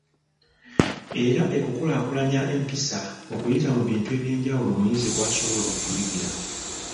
Era ekukulaakulanya empisa okuyita mu bintu eby’enjawulo omuyizi kw’asobola okuyigira.